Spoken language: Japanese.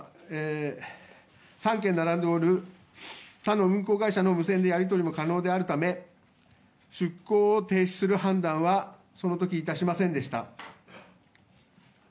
３件並んでいる他の運航会社の無線でやり取りも可能であるため出航を停止する判断はその時、致しませんでした。